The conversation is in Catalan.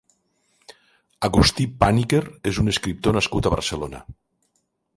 Agustí Pàniker és un escriptor nascut a Barcelona.